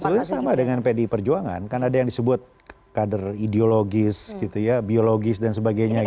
sebetulnya sama dengan pdi perjuangan kan ada yang disebut kader ideologis gitu ya biologis dan sebagainya